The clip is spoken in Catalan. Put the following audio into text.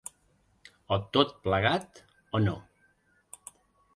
O tot plegat, o no.